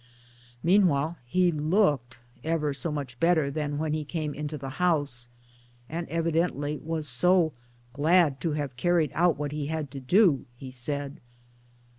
Meanwhile he looked ever so much better than when he came into the house and evidently was so " glad to have carried out what he had to do," he said.